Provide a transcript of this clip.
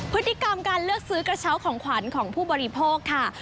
พฤติกรรมการเลือกซื้อกระเช้าของขวัญของผู้บริโภคค่ะ